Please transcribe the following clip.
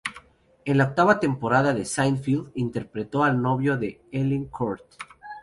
En la octava temporada de "Seinfeld" interpretó al novio de Elaine Kurt.